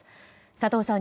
佐藤さん